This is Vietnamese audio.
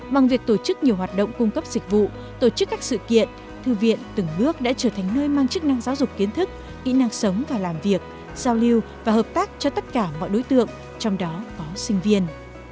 bằng việc tổ chức nhiều hoạt động cung cấp dịch vụ tổ chức các sự kiện thư viện từng bước đã trở thành nơi mang chức năng giáo dục kiến thức kỹ năng sống và làm việc giao lưu và hợp tác cho tất cả mọi đối tượng trong đó có sinh viên